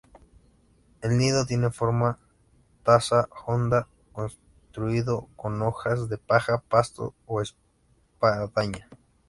El nido tiene forma taza honda, construido con hojas de paja, pastos o espadaña.